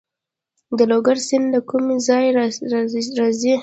د لوګر سیند له کوم ځای راځي؟